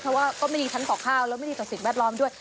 เพราะว่าก็ไม่มีชั้นขอข้าวแล้วไม่ดีต่อสิ่งแวดล้อมด้วย